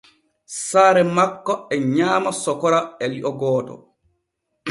Saare makko e nyaama sokora e li’o gooto.